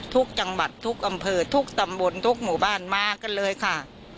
ทุกจังหวัดทุกอำเภอทุกตำบลทุกหมู่บ้านมากันเลยค่ะ